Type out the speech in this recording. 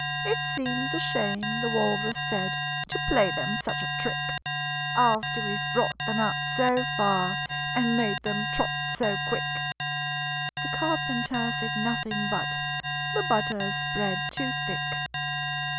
"It seems a shame," the Walrus said, "To play them such a trick, After we've brought them out so far, And made them trot so quick!" The Carpenter said nothing but "The butter's spread too thick!"